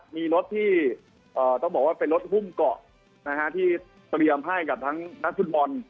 มีรถที่ต้องบอกว่าเป็นรถหุ้มเกาะที่เตรียมให้กับทั้งนักฟุตบอล